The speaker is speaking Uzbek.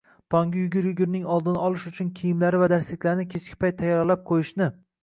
tonggi yugur-yugurning oldini olish uchun kiyimlari va darsliklarini kechki payt tayyorlab qo‘yishni